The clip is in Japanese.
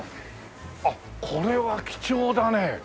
あっこれは貴重だね。